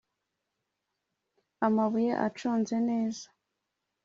Amabuye aconze neza.